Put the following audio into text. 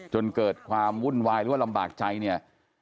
จนเกิดความวุ่นวายหรือว่าลำบากใจเนี่ย